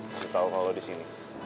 kasih tau kalau lo di sini